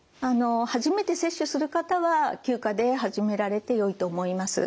初めて接種する方は９価で始められてよいと思います。